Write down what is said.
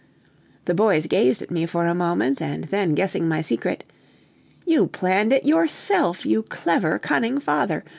The boys gazed at me for a moment, and then guessing my secret, "You planned it yourself, you clever, cunning father!